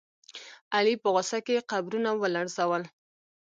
علي په غوسه کې قبرونه ولړزول.